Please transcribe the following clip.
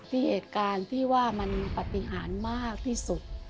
ที่เหตุการณ์พี่ว่ามันปฏิหารมากที่สุด